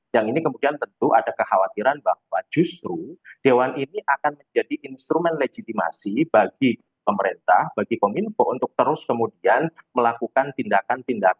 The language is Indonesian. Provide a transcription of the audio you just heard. yang ini kemudian tentu ada kekhawatiran bahwa justru dewan ini akan menjadi instrumen legitimasi bagi pemerintah bagi kominfo untuk terus kemudian melakukan tindakan tindakan